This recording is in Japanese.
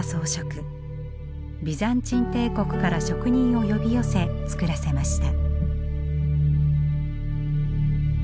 ビザンチン帝国から職人を呼び寄せ作らせました。